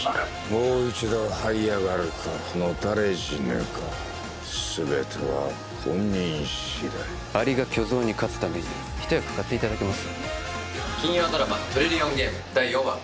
もう一度はい上がるか野たれ死ぬか全ては本人しだいアリが巨象に勝つために一役買っていただけます？